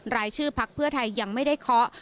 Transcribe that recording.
รายชื่อพักเพื่อไทยยังไม่ได้เคาะ